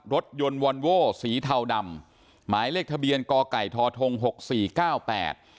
รถยนต์วอนโว้สีเทาดำหมายเลขทะเบียนก่อไก่ทอทงหกสี่เก้าแปด